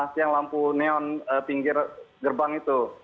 siang lampu neon pinggir gerbang itu